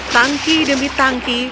tangki demi tangki